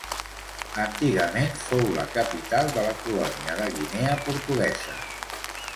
Antigament fou la capital de la colònia de Guinea Portuguesa.